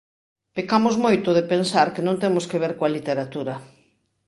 Pecamos moito de pensar que non temos que ver coa literatura.